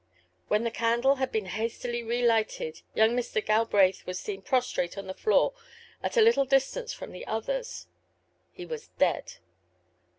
When the candle had been hastily relighted young Mr. Galbraith was seen prostrate on the floor at a little distance from the others. He was dead.